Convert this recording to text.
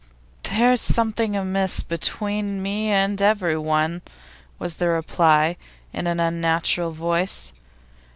'There's something amiss between me and everyone,' was the reply, in an unnatural voice.